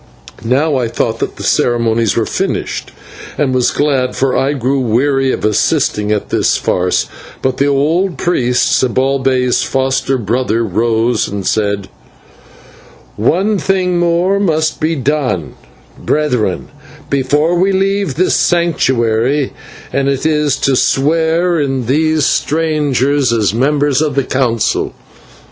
Now I thought that the ceremonies were finished, and was glad, for I grew weary of assisting at this farce, but the old priest, Zibalbay's foster brother, rose and said: "One thing more must be done, Brethren, before we leave this Sanctuary, and it is to swear in these strangers as members of the Council.